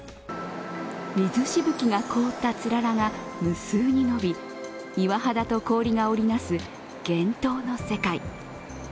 水しぶきが凍ったつららが無数に伸び岩肌と氷が織り成す厳冬の世界。